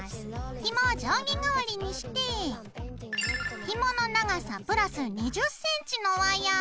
ひもを定規代わりにしてひもの長さ＋２０ｃｍのワイヤーを４本用意します。